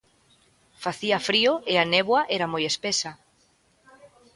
Facía frío e a néboa era moi espesa.